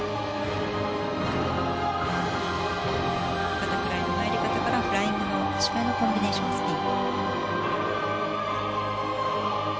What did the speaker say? バタフライの入り方からフライングの足換えのコンビネーションスピン。